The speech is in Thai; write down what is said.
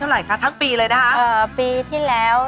เอาล่ะคำถามที่ลูกสงใจ